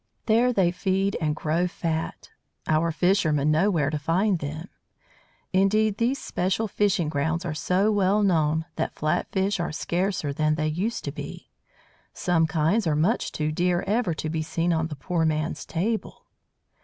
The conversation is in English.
There they feed and grow fat. Our fishermen know where to find them. Indeed, these special fishing grounds are so well known that flat fish are scarcer than they used to be. Some kinds are much too dear ever to be seen on the poor man's table.